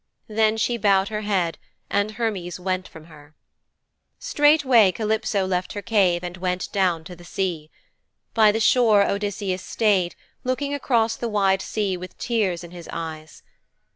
Then she bowed her head and Hermes went from her. Straightway Calypso left her cave and went down to the sea. By the shore Odysseus stayed, looking across the wide sea with tears in his eyes.